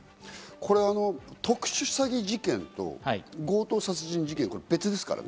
これ特殊詐欺事件と強盗殺人事件って別ですからね。